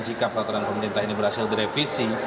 jika peraturan pemerintah ini berhasil direvisi